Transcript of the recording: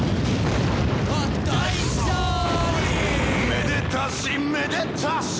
「めでたしめでたし！」